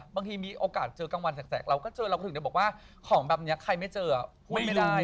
บางทีมีโอกาสเจอกลางวันแสกเราก็เจอเราก็ถึงได้บอกว่าของแบบนี้ใครไม่เจอไม่ได้